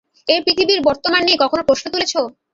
এই পৃথিবীর বর্তমান নিয়ে কখনো প্রশ্ন তুলেছো?